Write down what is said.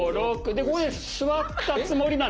でここで座ったつもりなんです。